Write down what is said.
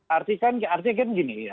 artinya kan begini ya